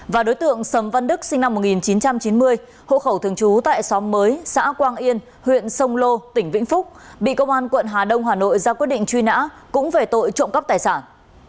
và đối tượng sầm văn đức sinh năm một nghìn chín trăm chín mươi hộ khẩu thường trú tại xóm mới xã quang yên huyện sông lô tỉnh vĩnh phúc bị công an quận hà đông hà nội ra quyết định truy nã cũng về tội trộm cắp tài sản